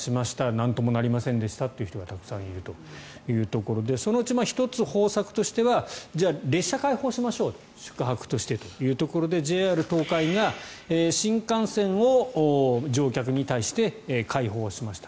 なんともなりませんでしたという人がたくさんいるというところでそのうち１つ、方策としては列車を開放しましょう宿泊としてというところでＪＲ東海が新幹線を乗客に対して開放しました。